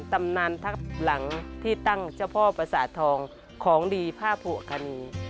ตำนานทัพหลังที่ตั้งเจ้าพ่อประสาททองของดีผ้าผูกคณี